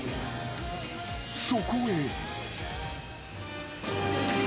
［そこへ］